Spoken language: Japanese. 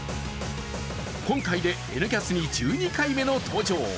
今回で「Ｎキャス」に１２回目の登場。